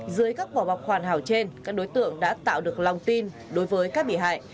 dưới các vỏ bọc hoàn hảo trên các đối tượng đã tạo được lòng tin đối với các bị hại